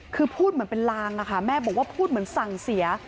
คือพูดเหมือนเป็นลางอะค่ะแม่บอกว่าพูดเหมือนสั่งเสีย